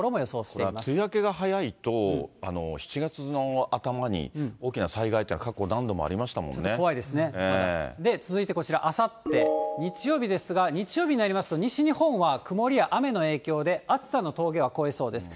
これ、梅雨明けが早いと、７月の頭に大きな災害っていうのは、ちょっと怖いですね、まだ。続いてこちら、あさって日曜日ですが、日曜日になりますと、西日本は曇りや雨の影響で、暑さの峠は越えそうです。